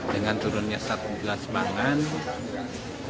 dengan turunnya sebelas barat